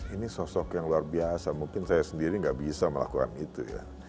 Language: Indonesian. ini sosok yang luar biasa mungkin saya sendiri nggak bisa melakukan itu ya